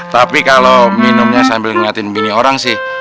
tapi kalau minumnya sambil ngeliatin begini orang sih